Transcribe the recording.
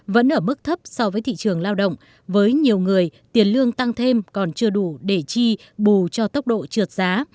vẫn ở mức thấp so với thị trường lao động với nhiều người tiền lương tăng thêm còn chưa đủ để chi bù cho tốc độ trượt giá